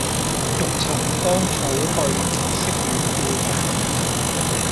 欲尋芳草去，惜與故人違。